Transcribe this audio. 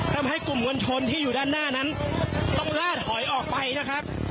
ทำให้กลุ่มมวลชนที่อยู่ด้านหน้านั้นต้องลาดหอยออกไปนะครับ